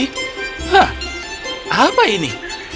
hah apa ini